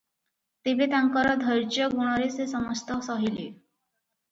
ତେବେ ତାଙ୍କର ଧୈର୍ଯ୍ୟ ଗୁଣରେ ସେ ସମସ୍ତ ସହିଲେ ।